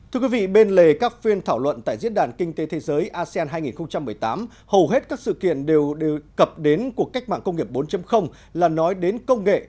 thưa quý vị bên lề các phiên thảo luận tại diễn đàn kinh tế thế giới asean hai nghìn một mươi tám hầu hết các sự kiện đều đều cập đến cuộc cách mạng công nghiệp bốn là nói đến công nghệ